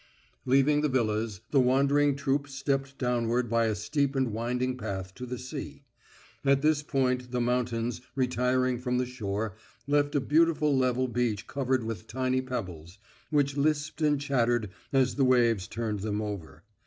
Leaving the villas, the wandering troupe stepped downward by a steep and winding path to the sea. At this point the mountains, retiring from the shore, left a beautiful level beach covered with tiny pebbles, which lisped and chattered as the waves turned them over.